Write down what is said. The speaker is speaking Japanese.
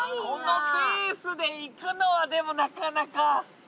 このペースでいくのはでもなかなか。